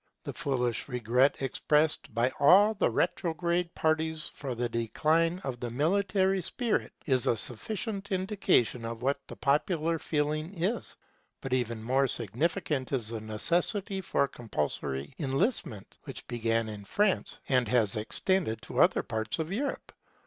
The foolish regret expressed by all the retrograde parties for the decline of the military spirit is a sufficient indication of what the popular feeling is; but even more significant is the necessity for compulsory enlistment, which began in France and has extended to other parts of Europe.